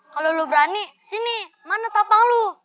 kalo lu berani sini mana tapang lu